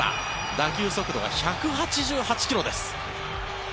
打球速度は１８８ｋｍです。